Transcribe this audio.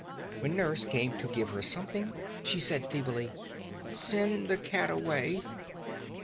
When Nurse came to give her something she said feebly: "Send the cat away."